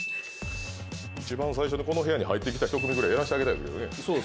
一番最初にこの部屋に入ってきた１組ぐらいやらせてあげたいですけどね